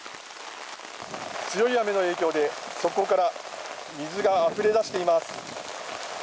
強い雨の影響で側溝から水があふれ出しています。